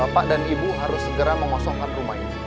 pak dan ibu harus segera mengosongkan rumah ini